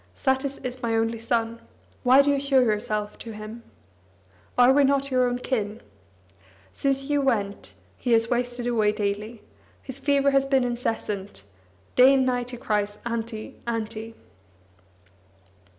Satis is my only son. Why do you show yourself to him? Are we not your own kin? Since you went, he has wasted away daily; his fever has been incessant; day and night he cries: 'Auntie, Auntie.'